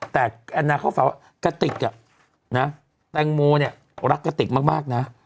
แต่แอนนาเขาฝากว่ากะติกแตงโมเนี่ยรักกะติกมากนะ